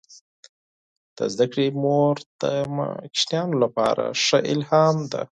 د زده کړې مور د ماشومانو لپاره ښه الهام ده.